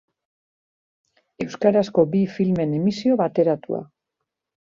Euskarazko bi filmen emisio bateratua.